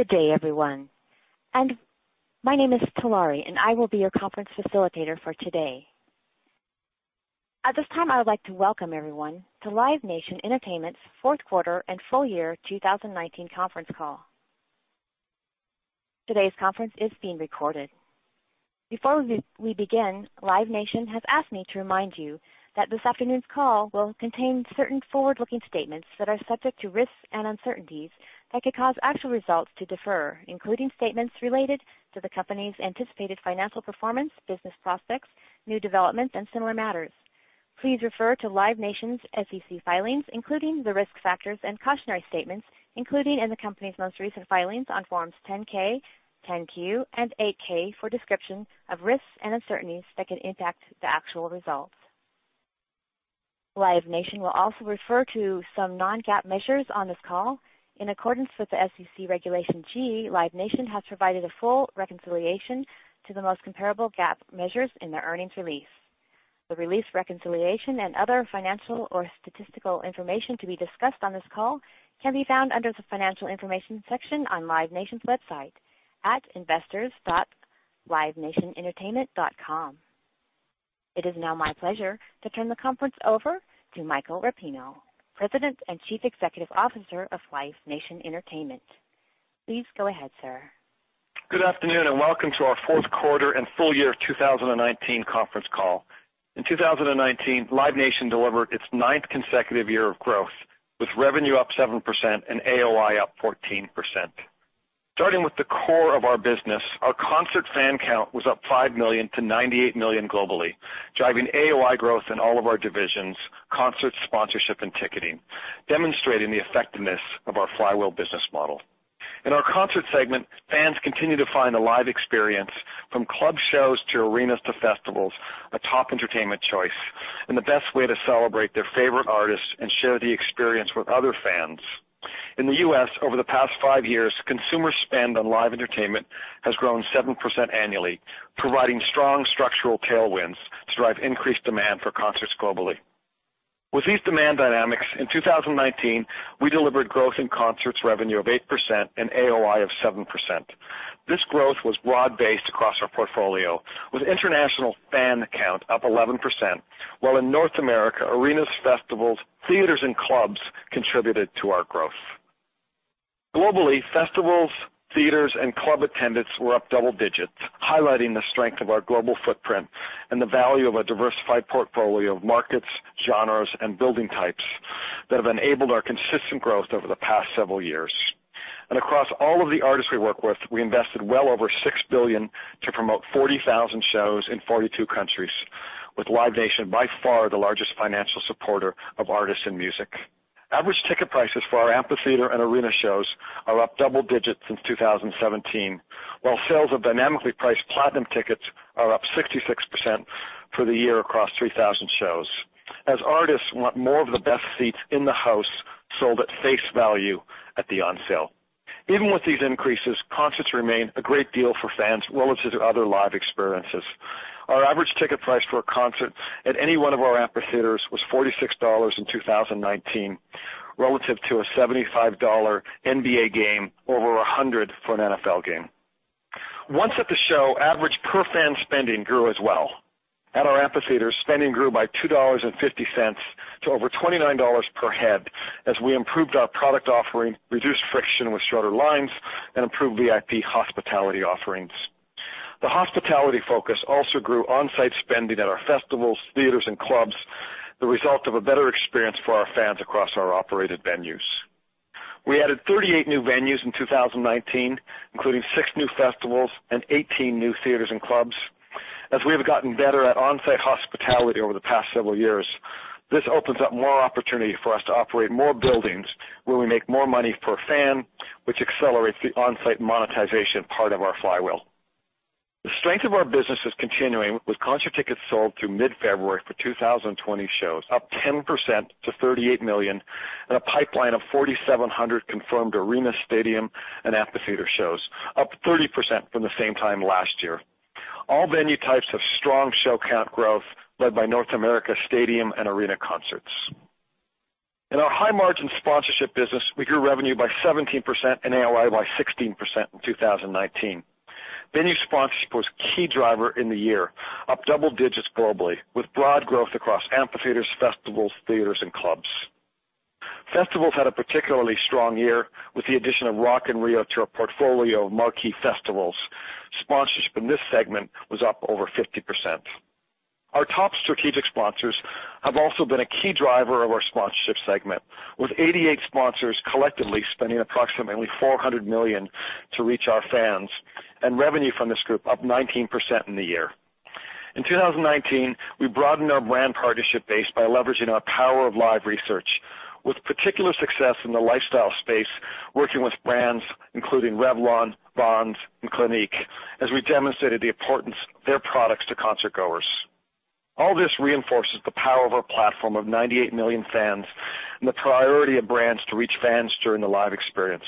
Good day, everyone. My name is Talari, and I will be your conference facilitator for today. At this time, I would like to welcome everyone to Live Nation Entertainment's fourth quarter and full year 2019 conference call. Today's conference is being recorded. Before we begin, Live Nation has asked me to remind you that this afternoon's call will contain certain forward-looking statements that are subject to risks and uncertainties that could cause actual results to differ, including statements related to the company's anticipated financial performance, business prospects, new developments, and similar matters. Please refer to Live Nation's SEC filings, including the risk factors and cautionary statements, including in the company's most recent filings on Forms 10-K, 10-Q, and 8-K, for a description of risks and uncertainties that could impact the actual results. Live Nation will also refer to some non-GAAP measures on this call. In accordance with the SEC Regulation G, Live Nation has provided a full reconciliation to the most comparable GAAP measures in their earnings release. The release reconciliation and other financial or statistical information to be discussed on this call can be found under the Financial Information section on Live Nation's website at investors.livenationentertainment.com. It is now my pleasure to turn the conference over to Michael Rapino, President and Chief Executive Officer of Live Nation Entertainment. Please go ahead, sir. Good afternoon, and welcome to our fourth quarter and full year 2019 conference call. In 2019, Live Nation delivered its ninth consecutive year of growth, with revenue up 7% and AOI up 14%. Starting with the core of our business, our concert fan count was up 5 million-98 million globally, driving AOI growth in all of our divisions; concerts, sponsorship, and ticketing, demonstrating the effectiveness of our flywheel business model. In our concert segment, fans continue to find a live experience, from club shows to arenas to festivals, a top entertainment choice, and the best way to celebrate their favorite artists and share the experience with other fans. In the U.S., over the past five years, consumer spend on live entertainment has grown 7% annually, providing strong structural tailwinds to drive increased demand for concerts globally. With these demand dynamics, in 2019, we delivered growth in concerts revenue of 8% and AOI of 7%. This growth was broad-based across our portfolio, with international fan count up 11%, while in North America, arenas, festivals, theaters, and clubs contributed to our growth. Globally, festivals, theaters, and club attendance were up double digits, highlighting the strength of our global footprint and the value of a diversified portfolio of markets, genres, and building types that have enabled our consistent growth over the past several years. Across all of the artists we work with, we invested well over $6 billion to promote 40,000 shows in 42 countries, with Live Nation by far the largest financial supporter of artists and music. Average ticket prices for our amphitheater and arena shows are up double digits since 2017, while sales of dynamically priced Platinum Tickets are up 66% for the year across 3,000 shows, as artists want more of the best seats in the house sold at face value at the on-sale. Even with these increases, concerts remain a great deal for fans relative to other live experiences. Our average ticket price for a concert at any one of our amphitheaters was $46 in 2019, relative to a $75 NBA game or over $100 for an NFL game. Once at the show, average per fan spending grew as well. At our amphitheater, spending grew by $2.50 to over $29 per head as we improved our product offering, reduced friction with shorter lines, and improved VIP hospitality offerings. The hospitality focus also grew onsite spending at our festivals, theaters, and clubs, the result of a better experience for our fans across our operated venues. We added 38 new venues in 2019, including six new festivals and 18 new theaters and clubs. As we have gotten better at onsite hospitality over the past several years, this opens up more opportunity for us to operate more buildings where we make more money per fan, which accelerates the onsite monetization part of our flywheel. The strength of our business is continuing with concert tickets sold through mid-February for 2020 shows, up 10% to 38 million, and a pipeline of 4,700 confirmed arena, stadium, and amphitheater shows, up 30% from the same time last year. All venue types have strong show count growth, led by North America stadium and arena concerts. In our high margin sponsorship business, we grew revenue by 17% and AOI by 16% in 2019. Venue sponsorship was a key driver in the year, up double digits globally, with broad growth across amphitheaters, festivals, theaters, and clubs. Festivals had a particularly strong year with the addition of Rock in Rio to our portfolio of marquee festivals. Sponsorship in this segment was up over 50%. Our top strategic sponsors have also been a key driver of our sponsorship segment, with 88 sponsors collectively spending approximately $400 million to reach our fans, and revenue from this group up 19% in the year. In 2019, we broadened our brand partnership base by leveraging our The Power of Live research, with particular success in the lifestyle space, working with brands including Revlon, Bonds, and Clinique, as we demonstrated the importance of their products to concertgoers. All this reinforces the power of our platform of 98 million fans and the priority of brands to reach fans during the live experience.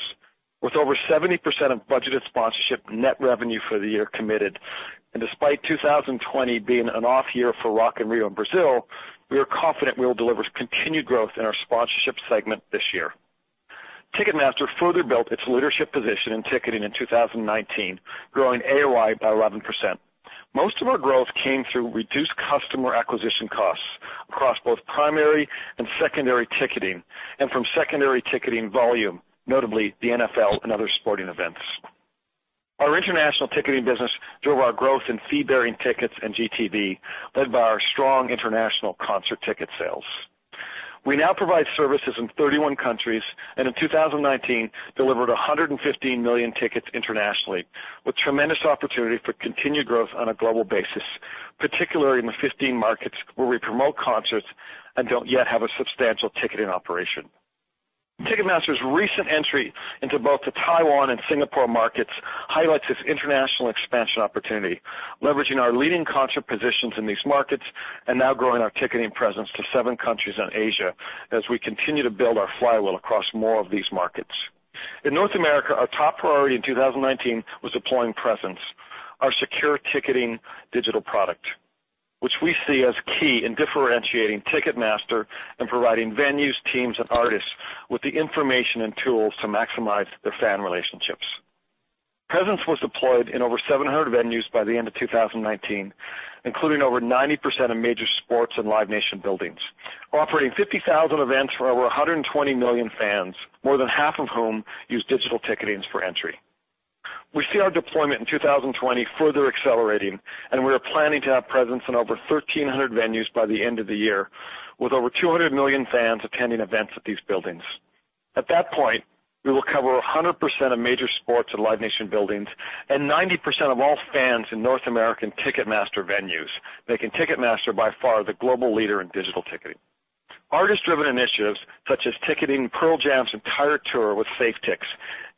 With over 70% of budgeted sponsorship net revenue for the year committed, and despite 2020 being an off year for Rock in Rio in Brazil, we are confident we will deliver continued growth in our sponsorship segment this year. Ticketmaster further built its leadership position in ticketing in 2019, growing AOI by 11%. Most of our growth came through reduced customer acquisition costs across both primary and secondary ticketing and from secondary ticketing volume, notably the NFL and other sporting events. Our international ticketing business drove our growth in fee-bearing tickets and GTV, led by our strong international concert ticket sales. We now provide services in 31 countries, and in 2019, delivered 115 million tickets internationally, with tremendous opportunity for continued growth on a global basis, particularly in the 15 markets where we promote concerts and don't yet have a substantial ticketing operation. Ticketmaster's recent entry into both the Taiwan and Singapore markets highlights this international expansion opportunity, leveraging our leading concert positions in these markets and now growing our ticketing presence to seven countries in Asia as we continue to build our flywheel across more of these markets. In North America, our top priority in 2019 was deploying Presence, our secure ticketing digital product, which we see as key in differentiating Ticketmaster and providing venues, teams, and artists with the information and tools to maximize their fan relationships. Presence was deployed in over 700 venues by the end of 2019, including over 90% of major sports and Live Nation buildings, operating 50,000 events for over 120 million fans, more than half of whom use digital ticketing for entry. We see our deployment in 2020 further accelerating, and we are planning to have Presence in over 1,300 venues by the end of the year, with over 200 million fans attending events at these buildings. At that point, we will cover 100% of major sports and Live Nation buildings and 90% of all fans in North American Ticketmaster venues, making Ticketmaster by far the global leader in digital ticketing. Artist-driven initiatives, such as ticketing Pearl Jam's entire tour with SafeTix,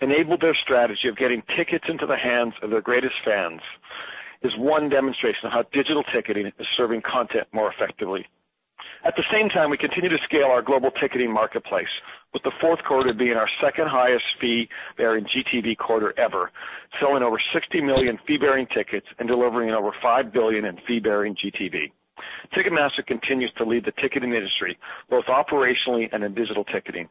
enabled their strategy of getting tickets into the hands of their greatest fans, is one demonstration of how digital ticketing is serving content more effectively. At the same time, we continue to scale our global ticketing marketplace, with the fourth quarter being our second highest fee-bearing GTV quarter ever, selling over 60 million fee-bearing tickets and delivering over $5 billion in fee-bearing GTV. Ticketmaster continues to lead the ticketing industry, both operationally and in digital ticketing.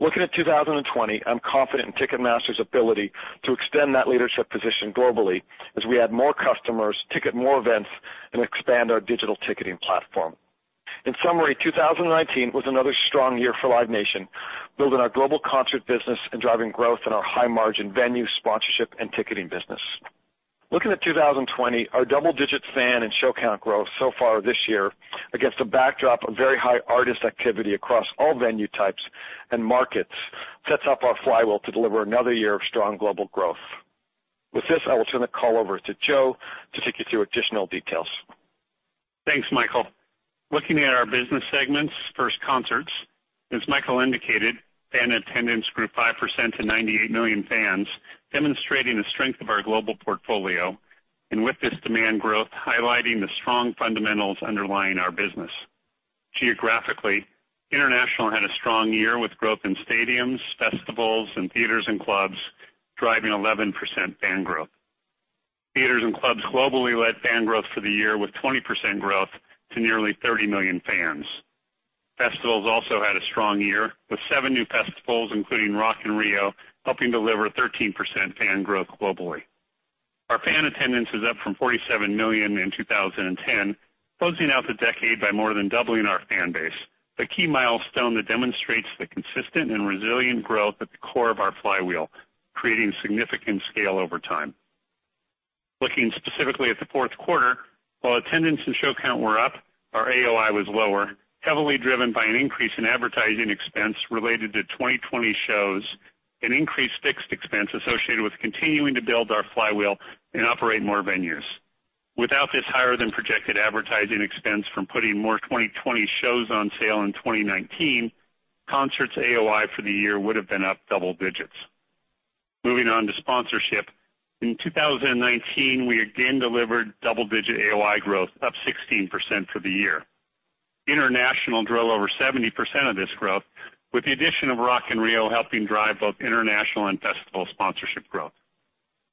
Looking at 2020, I'm confident in Ticketmaster's ability to extend that leadership position globally as we add more customers, ticket more events, and expand our digital ticketing platform. In summary, 2019 was another strong year for Live Nation, building our global concert business and driving growth in our high-margin venue sponsorship and ticketing business. Looking at 2020, our double-digit fan and show count growth so far this year against a backdrop of very high artist activity across all venue types and markets sets up our flywheel to deliver another year of strong global growth. With this, I will turn the call over to Joe to take you through additional details. Thanks, Michael. Looking at our business segments, first Concerts. As Michael indicated, fan attendance grew 5% to 98 million fans, demonstrating the strength of our global portfolio, and with this demand growth, highlighting the strong fundamentals underlying our business. Geographically, international had a strong year with growth in stadiums, festivals, and theaters and clubs, driving 11% fan growth. Theaters and clubs globally led fan growth for the year with 20% growth to nearly 30 million fans. Festivals also had a strong year, with seven new festivals, including Rock in Rio, helping deliver 13% fan growth globally. Our fan attendance is up from 47 million in 2010, closing out the decade by more than doubling our fan base, the key milestone that demonstrates the consistent and resilient growth at the core of our flywheel, creating significant scale over time. Looking specifically at the fourth quarter, while attendance and show count were up, our AOI was lower, heavily driven by an increase in advertising expense related to 2020 shows and increased fixed expense associated with continuing to build our flywheel and operate more venues. Without this higher-than-projected advertising expense from putting more 2020 shows on sale in 2019, Concerts AOI for the year would've been up double digits. Moving on to sponsorship. In 2019, we again delivered double-digit AOI growth, up 16% for the year. International drove over 70% of this growth, with the addition of Rock in Rio helping drive both international and festival sponsorship growth.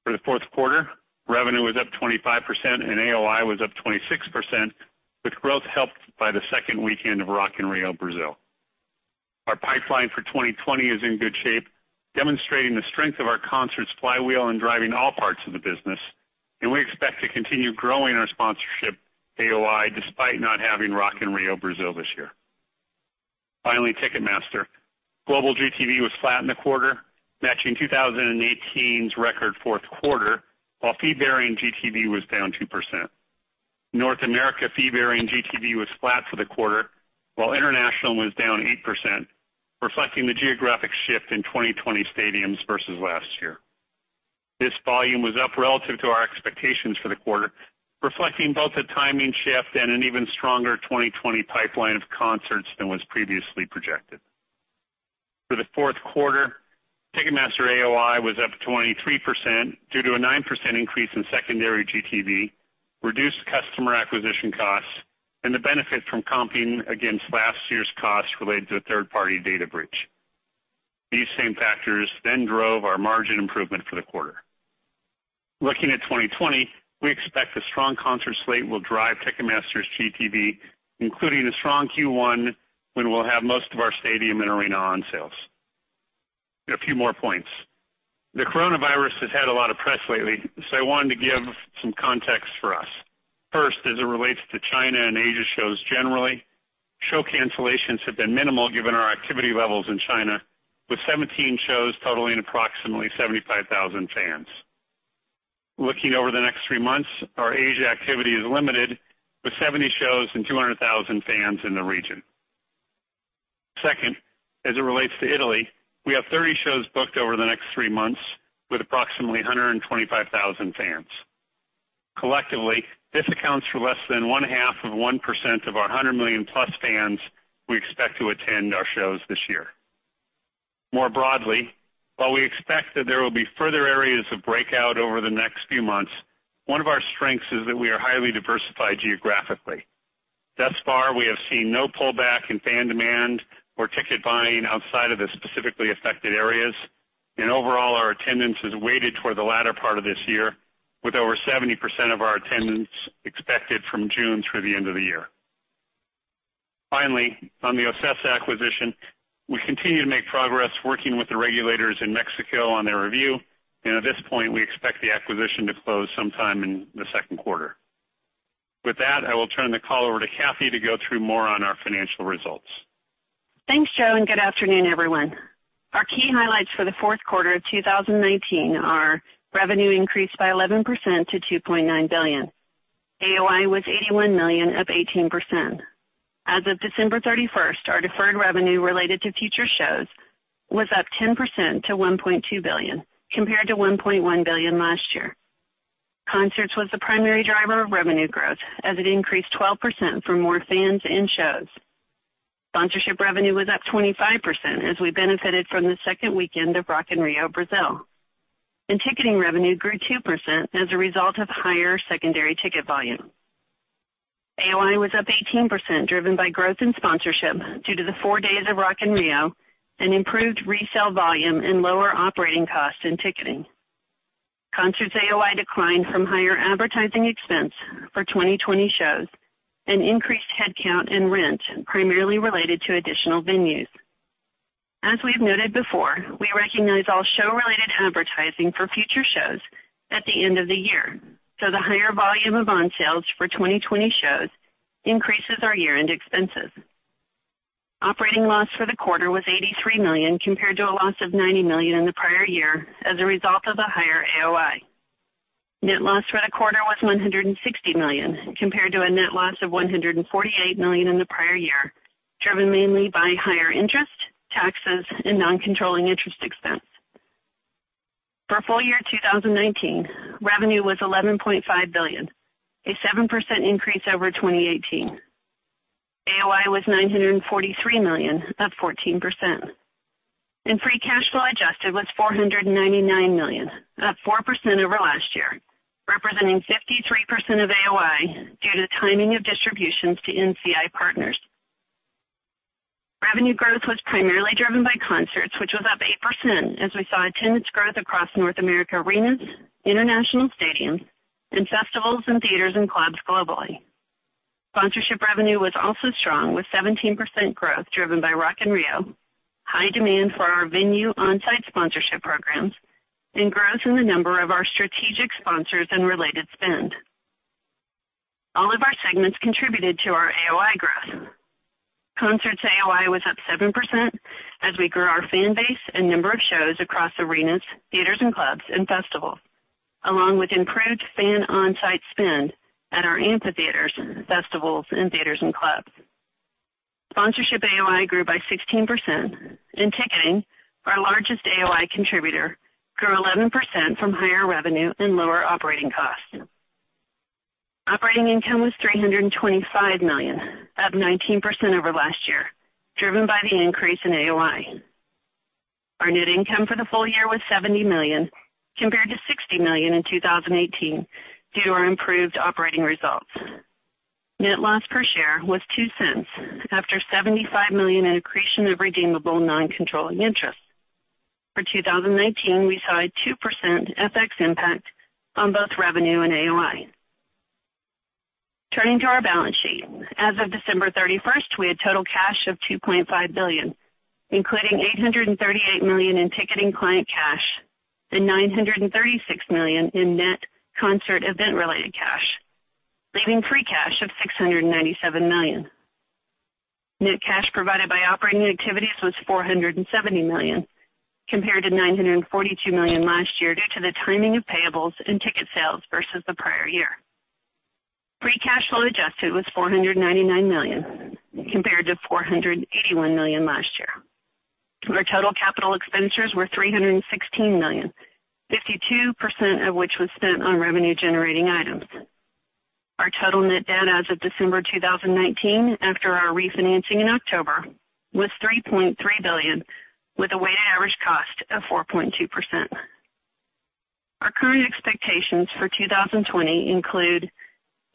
For the fourth quarter, revenue was up 25% and AOI was up 26%, with growth helped by the second weekend of Rock in Rio, Brazil. Our pipeline for 2020 is in good shape, demonstrating the strength of our concerts flywheel and driving all parts of the business. We expect to continue growing our sponsorship AOI despite not having Rock in Rio, Brazil this year. Finally, Ticketmaster. Global GTV was flat in the quarter, matching 2018's record fourth quarter, while fee-bearing GTV was down 2%. North America fee-bearing GTV was flat for the quarter, while international was down 8%, reflecting the geographic shift in 2020 stadiums versus last year. This volume was up relative to our expectations for the quarter, reflecting both a timing shift and an even stronger 2020 pipeline of concerts than was previously projected. For the fourth quarter, Ticketmaster AOI was up 23% due to a 9% increase in secondary GTV, reduced customer acquisition costs and the benefit from comping against last year's costs related to a third-party data breach. These same factors drove our margin improvement for the quarter. Looking at 2020, we expect a strong concert slate will drive Ticketmaster's GTV, including a strong Q1 when we'll have most of our stadium and arena on sales. A few more points. The coronavirus has had a lot of press lately, I wanted to give some context for us. First, as it relates to China and Asia shows generally, show cancellations have been minimal given our activity levels in China, with 17 shows totaling approximately 75,000 fans. Looking over the next three months, our Asia activity is limited, with 70 shows and 200,000 fans in the region. Second, as it relates to Italy, we have 30 shows booked over the next three months, with approximately 125,000 fans. Collectively, this accounts for less than one-half of 1% of our 100 million-plus fans we expect to attend our shows this year. More broadly, while we expect that there will be further areas of breakout over the next few months, one of our strengths is that we are highly diversified geographically. Thus far, we have seen no pullback in fan demand or ticket buying outside of the specifically affected areas. Overall, our attendance is weighted toward the latter part of this year, with over 70% of our attendance expected from June through the end of the year. Finally, on the OCESA acquisition, we continue to make progress working with the regulators in Mexico on their review. At this point, we expect the acquisition to close sometime in the second quarter. With that, I will turn the call over to Kathy to go through more on our financial results. Thanks, Joe, and good afternoon, everyone. Our key highlights for the fourth quarter of 2019 are revenue increased by 11% to $2.9 billion. AOI was $81 million, up 18%. As of December 31st, our deferred revenue related to future shows was up 10% to $1.2 billion, compared to $1.1 billion last year. Concerts was the primary driver of revenue growth as it increased 12% for more fans and shows. Sponsorship revenue was up 25% as we benefited from the second weekend of Rock in Rio, Brazil. Ticketing revenue grew 2% as a result of higher secondary ticket volume. AOI was up 18%, driven by growth in sponsorship due to the four days of Rock in Rio and improved resale volume and lower operating costs in Ticketing. Concerts AOI declined from higher advertising expense for 2020 shows and increased headcount and rent, primarily related to additional venues. As we've noted before, we recognize all show-related advertising for future shows at the end of the year. The higher volume of on sales for 2020 shows increases our year-end expenses. Operating loss for the quarter was $83 million, compared to a loss of $90 million in the prior year as a result of a higher AOI. Net loss for the quarter was $160 million, compared to a net loss of $148 million in the prior year, driven mainly by higher interest, taxes, and non-controlling interest expense. For full year 2019, revenue was $11.5 billion, a 7% increase over 2018. AOI was $943 million, up 14%. Free cash flow adjusted was $499 million, up 4% over last year, representing 53% of AOI due to timing of distributions to NCI partners. Revenue growth was primarily driven by Concerts, which was up 8% as we saw attendance growth across North America arenas, international stadiums, and festivals and theaters and clubs globally. Sponsorship revenue was also strong, with 17% growth driven by Rock in Rio, high demand for our venue on-site sponsorship programs, and growth in the number of our strategic sponsors and related spend. All of our segments contributed to our AOI growth. Concerts AOI was up 7% as we grew our fan base and number of shows across arenas, theaters and clubs, and festivals, along with improved fan on-site spend at our amphitheaters, festivals, and theaters and clubs. Sponsorship AOI grew by 16%, and Ticketing, our largest AOI contributor, grew 11% from higher revenue and lower operating costs. Operating income was $325 million, up 19% over last year, driven by the increase in AOI. Our net income for the full year was $70 million, compared to $60 million in 2018, due to our improved operating results. Net loss per share was $0.02 after $75 million accretion of redeemable non-controlling interest. For 2019, we saw a 2% FX impact on both revenue and AOI. Turning to our balance sheet. As of December 31st, we had total cash of $2.5 billion, including $838 million in ticketing client cash and $936 million in net concert event-related cash, leaving free cash of $697 million. Net cash provided by operating activities was $470 million, compared to $942 million last year due to the timing of payables and ticket sales versus the prior year. Free cash flow adjusted was $499 million, compared to $481 million last year. Our total capital expenditures were $316 million, 52% of which was spent on revenue-generating items. Our total net debt as of December 2019, after our refinancing in October, was $3.3 billion, with a weighted average cost of 4.2%. Our current expectations for 2020 include,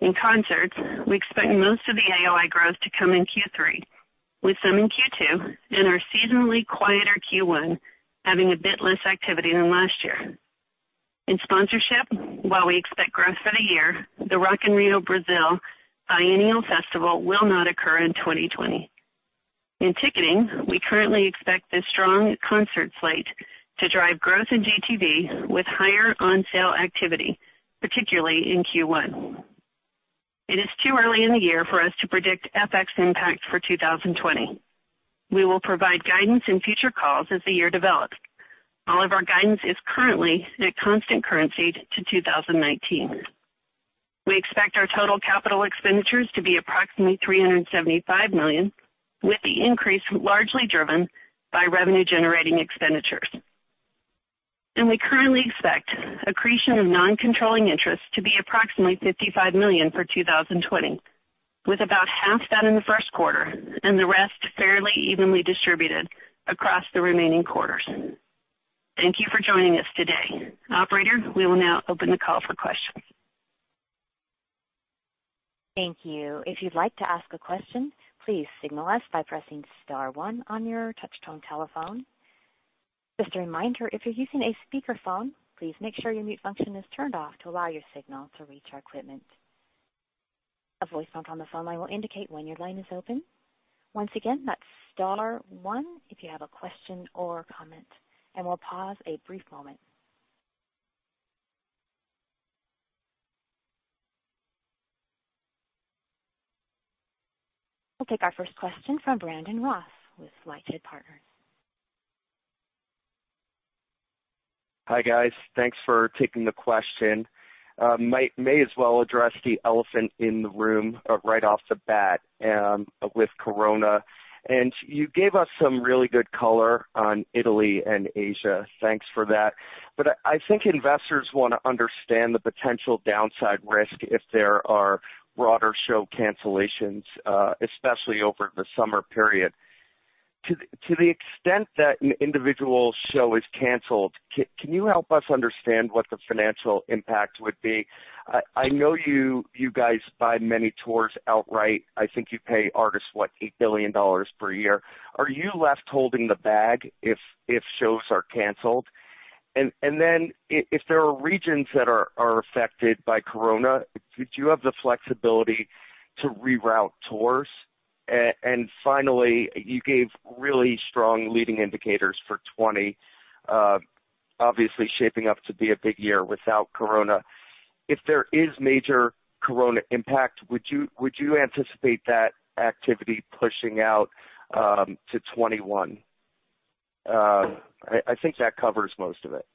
in concerts, we expect most of the AOI growth to come in Q3, with some in Q2 and our seasonally quieter Q1 having a bit less activity than last year. In sponsorship, while we expect growth for the year, the Rock in Rio Brazil biennial festival will not occur in 2020. In ticketing, we currently expect this strong concert slate to drive growth in GTV with higher on-sale activity, particularly in Q1. It is too early in the year for us to predict FX impact for 2020. We will provide guidance in future calls as the year develops. All of our guidance is currently at constant currency to 2019. We expect our total capital expenditures to be approximately $375 million, with the increase largely driven by revenue-generating expenditures. We currently expect accretion of non-controlling interest to be approximately $55 million for 2020, with about half that in the first quarter and the rest fairly evenly distributed across the remaining quarters. Thank you for joining us today. Operator, we will now open the call for questions. Thank you. If you'd like to ask a question, please signal us by pressing star one on your touchtone telephone. Just a reminder, if you're using a speakerphone, please make sure your mute function is turned off to allow your signal to reach our equipment. A voice prompt on the phone line will indicate when your line is open. Once again, that's star one if you have a question or comment. We'll pause a brief moment. We'll take our first question from Brandon Ross with LightShed Partners. Hi, guys. Thanks for taking the question. May as well address the elephant in the room right off the bat with coronavirus. You gave us some really good color on Italy and Asia. Thanks for that. I think investors want to understand the potential downside risk if there are broader show cancellations, especially over the summer period. To the extent that an individual show is canceled, can you help us understand what the financial impact would be? I know you guys buy many tours outright. I think you pay artists, what, $8 billion per year. Are you left holding the bag if shows are canceled? Then if there are regions that are affected by coronavirus, do you have the flexibility to reroute tours? Finally, you gave really strong leading indicators for 2020, obviously shaping up to be a big year without coronavirus. If there is major coronavirus impact, would you anticipate that activity pushing out to 2021? I think that covers most of it.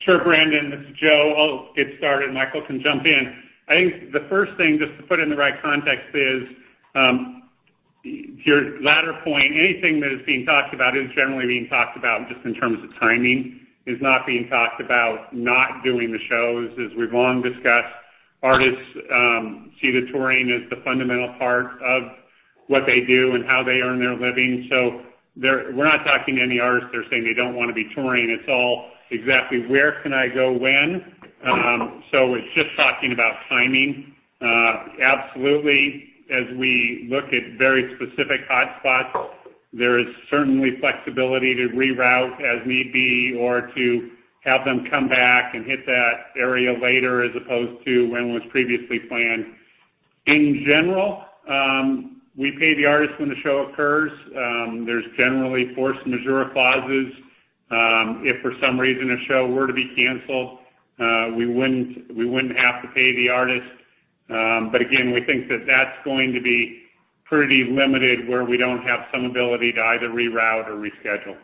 Sure, Brandon, this is Joe. I'll get started, Michael can jump in. I think the first thing, just to put it in the right context is, your latter point, anything that is being talked about is generally being talked about just in terms of timing, is not being talked about not doing the shows. As we've long discussed, artists see the touring as the fundamental part of what they do and how they earn their living. We're not talking to any artists that are saying they don't want to be touring. It's all, exactly where can I go when? It's just talking about timing. Absolutely, as we look at very specific hot spots, there is certainly flexibility to reroute as need be or to have them come back and hit that area later as opposed to when was previously planned. In general, we pay the artist when the show occurs. There's generally force majeure clauses. If for some reason a show were to be canceled, we wouldn't have to pay the artist. Again, we think that that's going to be pretty limited where we don't have some ability to either reroute or reschedule.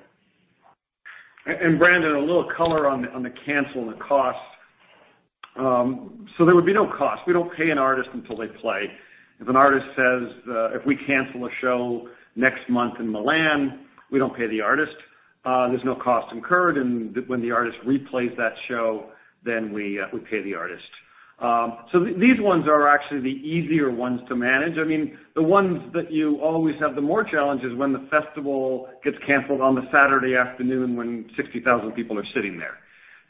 Brandon, a little color on the cancel and the cost. There would be no cost. We don't pay an artist until they play. If an artist says, if we cancel a show next month in Milan, we don't pay the artist. There's no cost incurred, and when the artist replays that show, then we pay the artist. These ones are actually the easier ones to manage. The ones that you always have the more challenge is when the festival gets canceled on the Saturday afternoon when 60,000 people are sitting there.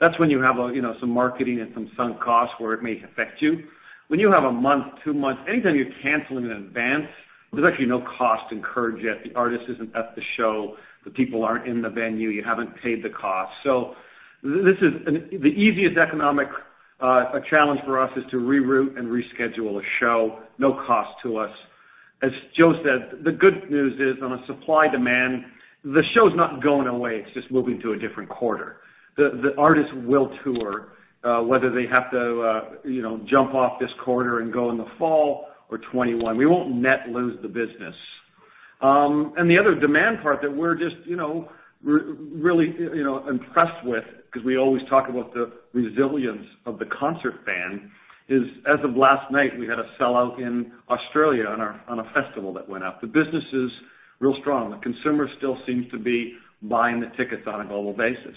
That's when you have some marketing and some sunk costs where it may affect you. When you have a month, two months, anytime you're canceling in advance, there's actually no cost incurred yet. The artist isn't at the show, the people aren't in the venue, you haven't paid the cost. The easiest economic challenge for us is to reroute and reschedule a show. No cost to us. As Joe said, the good news is, on a supply-demand, the show's not going away, it's just moving to a different quarter. The artist will tour, whether they have to jump off this quarter and go in the fall or 2021. We won't net lose the business. The other demand part that we're just really impressed with, because we always talk about the resilience of the concert fan is, as of last night, we had a sellout in Australia on a festival that went up. The business is real strong. The consumer still seems to be buying the tickets on a global basis.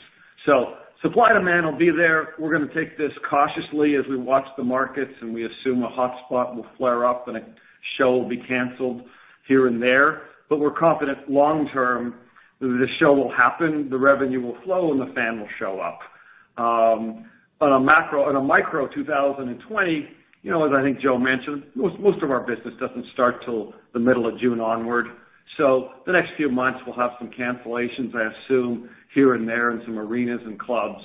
Supply and demand will be there. We're going to take this cautiously as we watch the markets, and we assume a hot spot will flare up and a show will be canceled here and there, but we're confident long term the show will happen, the revenue will flow, and the fan will show up. On a micro 2020, as I think Joe mentioned, most of our business doesn't start till the middle of June onward. The next few months we'll have some cancellations, I assume, here and there in some arenas and clubs.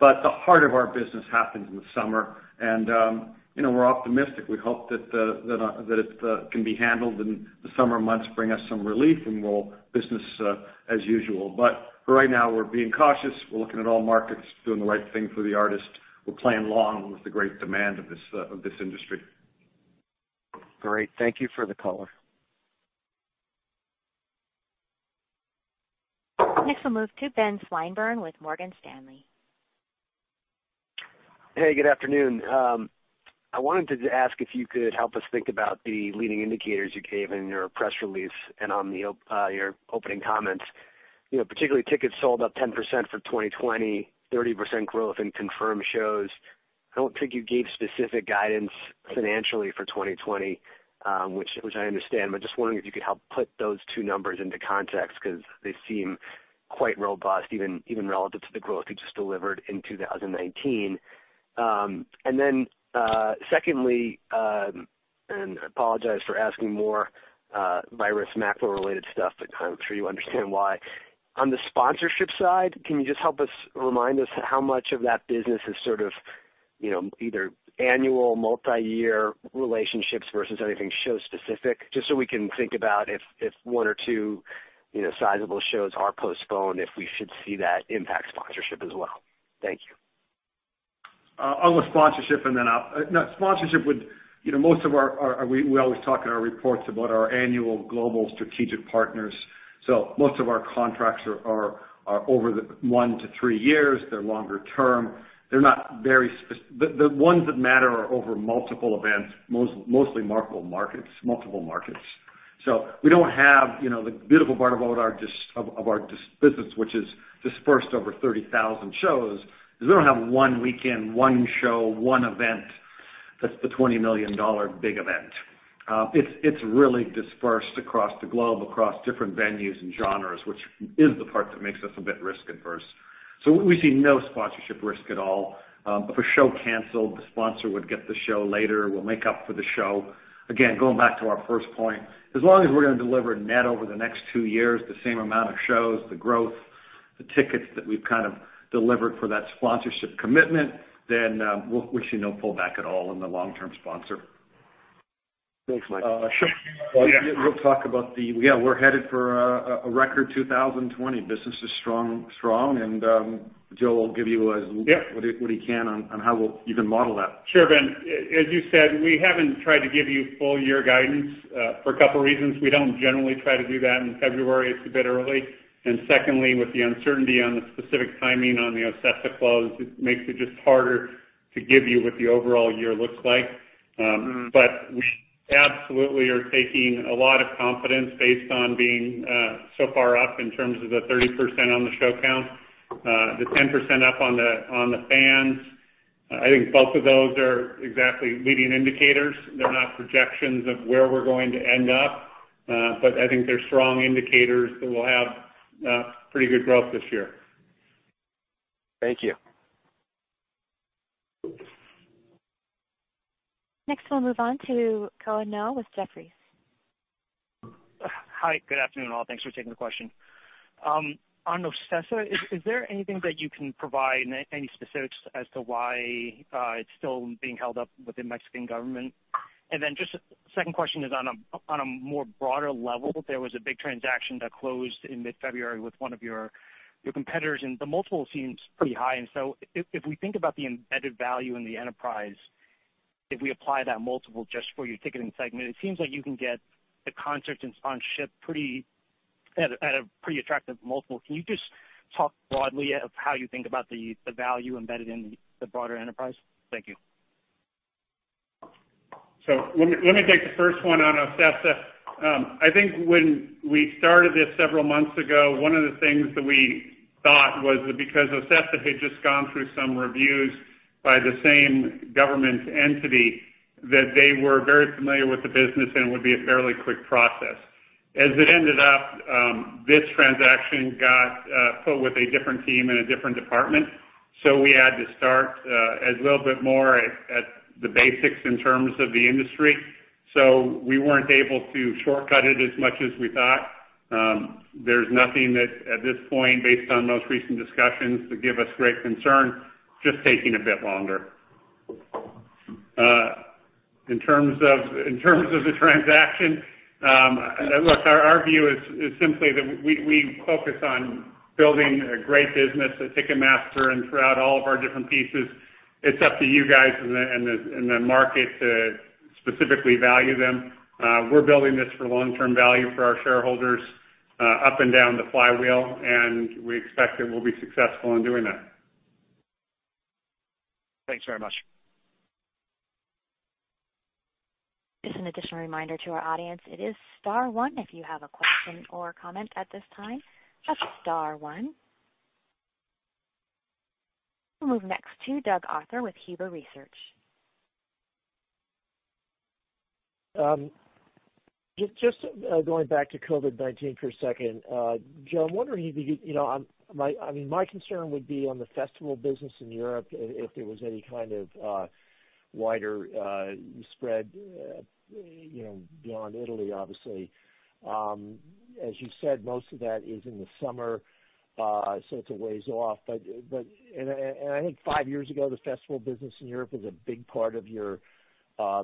The heart of our business happens in the summer, and we're optimistic. We hope that it can be handled, and the summer months bring us some relief, and business as usual. For right now, we're being cautious. We're looking at all markets, doing the right thing for the artist. We're playing along with the great demand of this industry. Great. Thank you for the color. Next, we'll move to Benjamin Swinburne with Morgan Stanley. Hey, good afternoon. I wanted to ask if you could help us think about the leading indicators you gave in your press release and on your opening comments. Particularly tickets sold up 10% for 2020, 30% growth in confirmed shows. I don't think you gave specific guidance financially for 2020, which I understand, but just wondering if you could help put those two numbers into context, because they seem quite robust, even relative to the growth you just delivered in 2019. Then secondly, and I apologize for asking more virus macro-related stuff, but I'm sure you understand why. On the sponsorship side, can you just help us, remind us how much of that business is either annual multi-year relationships versus anything show specific, just so we can think about if one or two sizable shows are postponed, if we should see that impact sponsorship as well. Thank you. On the sponsorship, we always talk in our reports about our annual global strategic partners. Most of our contracts are over one to three years. They're longer term. The ones that matter are over multiple events, mostly multiple markets. We don't have the beautiful part of our business, which is dispersed over 30,000 shows, because we don't have one weekend, one show, one event, that's the $20 million big event. It's really dispersed across the globe, across different venues and genres, which is the part that makes us a bit risk-averse. We see no sponsorship risk at all. If a show canceled, the sponsor would get the show later. We'll make up for the show. Again, going back to our first point, as long as we're going to deliver net over the next two years, the same amount of shows, the growth, the tickets that we've kind of delivered for that sponsorship commitment, then we see no pullback at all in the long-term sponsor. Thanks, Mike. Sure. Yeah. We'll talk about, we're headed for a record 2020. Business is strong. Joe will give you what he can on how we'll even model that. Sure, Ben. As you said, we haven't tried to give you full year guidance, for a couple reasons. We don't generally try to do that in February. It's a bit early. Secondly, with the uncertainty on the specific timing on the OCESA close, it makes it just harder to give you what the overall year looks like. We absolutely are taking a lot of confidence based on being so far up in terms of the 30% on the show count, the 10% up on the fans. I think both of those are exactly leading indicators. They're not projections of where we're going to end up. I think they're strong indicators that we'll have pretty good growth this year. Thank you. Next, we'll move on to Khoa Ngo with Jefferies. Hi. Good afternoon, all. Thanks for taking the question. On OCESA, is there anything that you can provide, any specifics as to why it's still being held up with the Mexican government? Just second question is on a more broader level, there was a big transaction that closed in mid-February with one of your competitors, and the multiple seems pretty high. If we think about the embedded value in the enterprise, if we apply that multiple just for your ticketing segment, it seems like you can get the concert and sponsorship at a pretty attractive multiple. Can you just talk broadly of how you think about the value embedded in the broader enterprise? Thank you. Let me take the first one on OCESA. I think when we started this several months ago, one of the things that we thought was that because OCESA had just gone through some reviews by the same government entity, that they were very familiar with the business and it would be a fairly quick process. As it ended up, this transaction got put with a different team in a different department. We had to start as a little bit more at the basics in terms of the industry. We weren't able to shortcut it as much as we thought. There's nothing that at this point, based on most recent discussions, that give us great concern, just taking a bit longer. In terms of the transaction, look, our view is simply that we focus on building a great business at Ticketmaster and throughout all of our different pieces. It's up to you guys and the market to specifically value them. We're building this for long-term value for our shareholders, up and down the flywheel, and we expect that we'll be successful in doing that. Thanks very much. Just an additional reminder to our audience, it is star one if you have a question or comment at this time, that's star one. We'll move next to Doug Arthur with Huber Research. Just going back to COVID-19 for a second. Joe, I'm wondering, my concern would be on the festival business in Europe if there was any kind of wider spread beyond Italy, obviously. As you said, most of that is in the summer, it's a ways off. I think five years ago, the festival business in Europe was a big part of your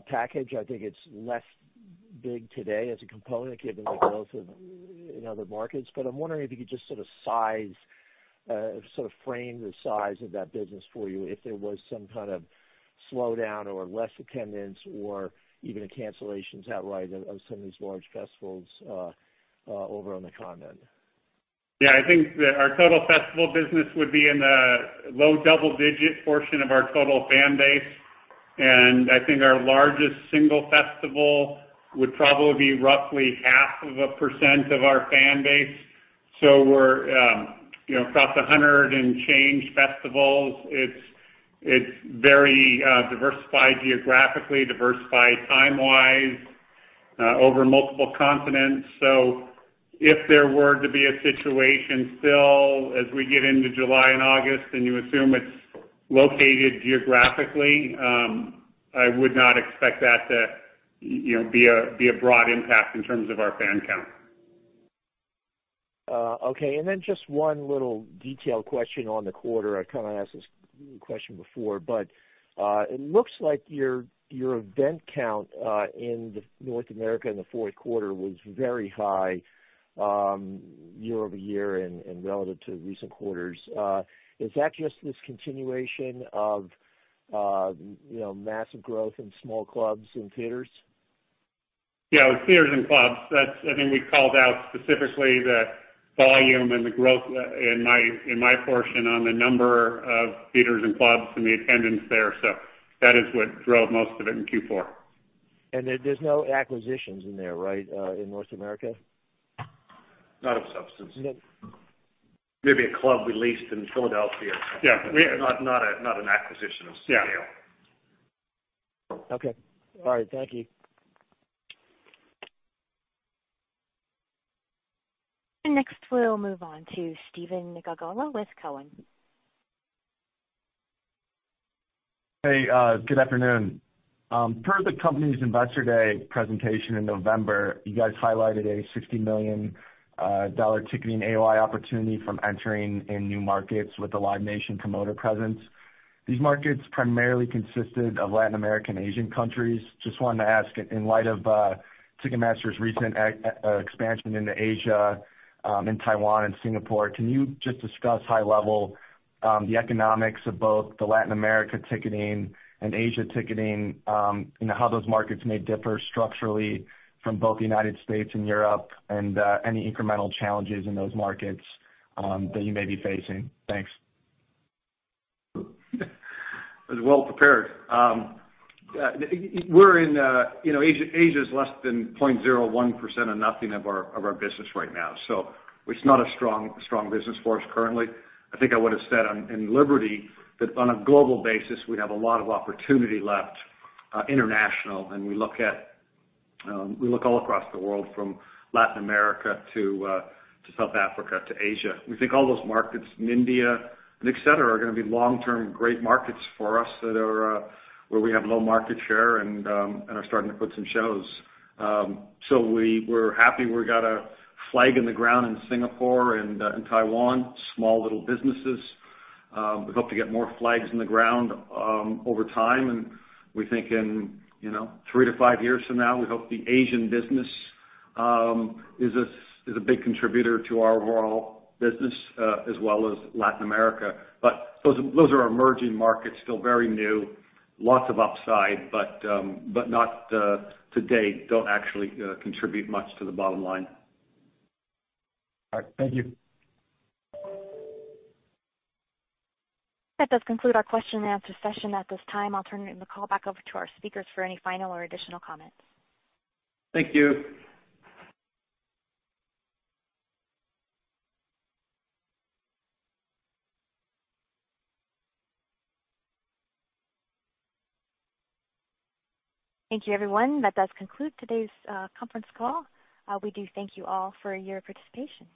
package. I think it's less big today as a component, given the growth in other markets. I'm wondering if you could just sort of frame the size of that business for you, if there was some kind of slowdown or less attendance or even a cancellation outright of some of these large festivals over on the continent. Yeah, I think that our total festival business would be in the low double-digit portion of our total fan base, and I think our largest single festival would probably be roughly half of a percent of our fan base. We're across 100 and change festivals. It's very diversified geographically, diversified time-wise, over multiple continents. If there were to be a situation still as we get into July and August, and you assume it's located geographically, I would not expect that to be a broad impact in terms of our fan count. Okay. Just one little detailed question on the quarter. I kind of asked this question before, it looks like your event count in North America in the fourth quarter was very high year-over-year and relative to recent quarters. Is that just this continuation of massive growth in small clubs and theaters? Yeah. Theaters and clubs. I think we called out specifically the volume and the growth in my portion on the number of theaters and clubs and the attendance there. That is what drove most of it in Q4. There's no acquisitions in there, right, in North America? Not of substance. Maybe a club we leased in Philadelphia. Yeah. Not an acquisition of scale. Okay. All right. Thank you. Next, we'll move on to Stephen Glagola with Cowen. Hey, good afternoon. Per the company's Investor Day presentation in November, you guys highlighted a $60 million ticketing AOI opportunity from entering in new markets with the Live Nation promoter Presence. These markets primarily consisted of Latin American, Asian countries. Just wanted to ask, in light of Ticketmaster's recent expansion into Asia, in Taiwan and Singapore, can you just discuss high level the economics of both the Latin America ticketing and Asia ticketing, and how those markets may differ structurally from both the United States and Europe, and any incremental challenges in those markets that you may be facing? Thanks. I was well prepared. Asia's less than 0.01% of nothing of our business right now. It's not a strong business for us currently. I think I would've said in Liberty that on a global basis, we have a lot of opportunity left international, and we look all across the world from Latin America to South Africa to Asia. We think all those markets in India and et cetera are going to be long-term great markets for us where we have low market share and are starting to put some shows. We're happy we got a flag in the ground in Singapore and Taiwan, small little businesses. We hope to get more flags in the ground over time, and we think in three to five years from now, we hope the Asian business is a big contributor to our overall business as well as Latin America. Those are emerging markets, still very new. Lots of upside, but not to date, don't actually contribute much to the bottom line. All right. Thank you. That does conclude our question-and-answer session at this time. I'll turn the call back over to our speakers for any final or additional comments. Thank you. Thank you, everyone. That does conclude today's conference call. We do thank you all for your participation.